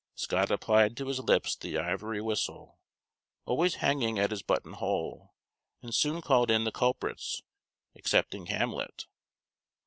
Scott applied to his lips the ivory whistle, always hanging at his button hole, and soon called in the culprits, excepting Hamlet.